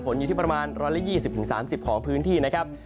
อยู่ที่ประมาณ๑๒๐๓๐ของพื้นที่นะครับ